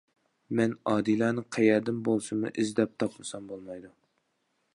مەن ئادىلەنى قەيەردىن بولسىمۇ ئىزدەپ تاپمىسام بولمايدۇ.